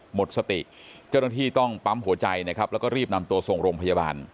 หมดสติเจ้าหน้าที่ต้องปั๊มหัวใจนะครับแล้วก็รีบนำตัวส่งโรงพยาบาล